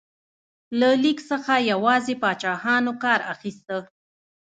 له لیک څخه یوازې پاچاهانو کار اخیسته.